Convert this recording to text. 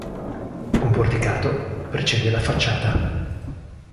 Un porticato precede la facciata.